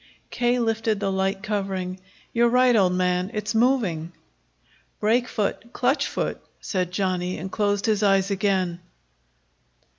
K. lifted the light covering. "You're right, old man. It's moving." "Brake foot, clutch foot," said Johnny, and closed his eyes again.